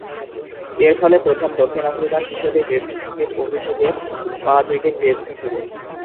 এরফলে প্রথম দক্ষিণ আফ্রিকান হিসেবে টেস্ট ক্রিকেট অভিষেকে পাঁচ-উইকেট পেয়েছেন তিনি।